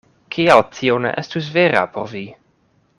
Kial tio ne estus vera por vi?